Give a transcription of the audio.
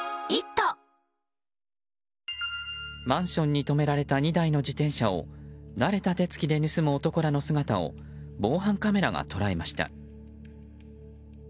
マンションに止められた２台の自転車を慣れた手つきで盗む男らの姿を防犯カメラが捉えました。